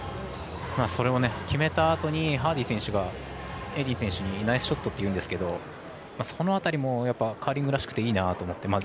それを決めたあとにハーディー選手がエディン選手にナイスショットというんですけどその辺りも、カーリングらしくていいなと思って。